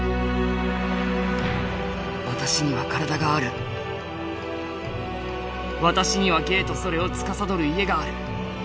「私には身体がある私には芸とそれを司る家がある」。